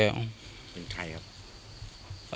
เป็นใครครับ